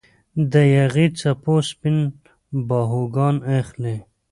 د یاغي څپو سپین باهوګان اخلي